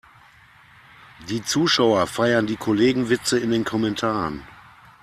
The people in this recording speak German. Die Zuschauer feiern die Kollegenwitze in den Kommentaren.